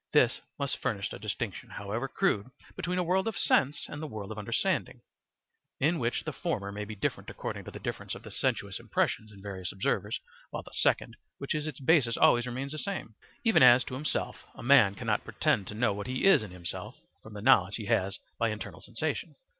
This must furnish a distinction, however crude, between a world of sense and the world of understanding, of which the former may be different according to the difference of the sensuous impressions in various observers, while the second which is its basis always remains the same, Even as to himself, a man cannot pretend to know what he is in himself from the knowledge he has by internal sensation.